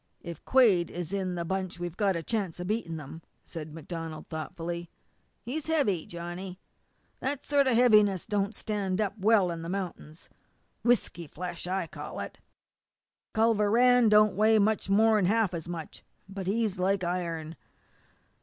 "If Quade is in the bunch we've got a chance of beating them," said MacDonald thoughtfully. "He's heavy, Johnny that sort of heaviness that don't stand up well in the mount'ins; whisky flesh, I call it. Culver Rann don't weigh much more'n half as much, but he's like iron.